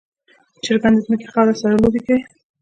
چرګان د ځمکې خاورې سره لوبې کوي.